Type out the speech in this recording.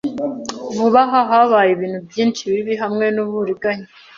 Vuba aha habaye ibintu byinshi bibi hamwe n'uburiganya.